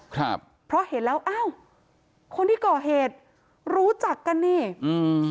ครับเพราะเห็นแล้วอ้าวคนที่ก่อเหตุรู้จักกันนี่อืม